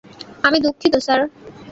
আমি দুঃখিত স্যার।